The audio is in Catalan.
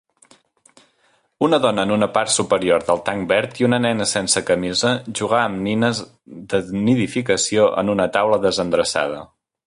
Una dona en una part superior del tanc verd i una nena sense camisa jugar amb nines de nidificació en una taula desendreçada